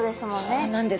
そうなんです！